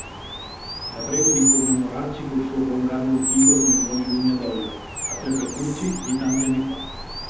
La prego di commemorarci col suo buon garbo antico e coi buoni lumi ad olio, a tre beccucci, di tanti anni fa.